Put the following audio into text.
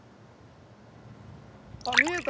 あっ見えた。